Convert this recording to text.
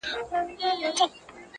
د ګنجي په ژبه بل ګنجی پوهېږي!.